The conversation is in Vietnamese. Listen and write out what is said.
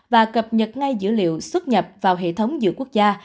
và cập nhật ngay dữ liệu xuất nhập vào hệ thống dữ quốc gia